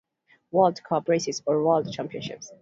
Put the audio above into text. World Cup races or World Championships.